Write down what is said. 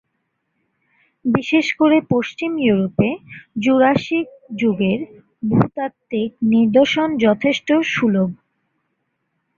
বিশেষ করে পশ্চিম ইউরোপে জুরাসিক যুগের ভূতাত্ত্বিক নিদর্শন যথেষ্ট সুলভ।